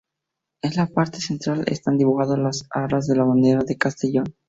En la parte central están dibujadas las barras de la bandera de Castellón.